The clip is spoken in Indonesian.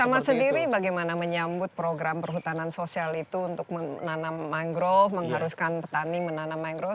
pak ahmad sendiri bagaimana menyambut program perhutanan sosial itu untuk menanam mangrove mengharuskan petani menanam mangrove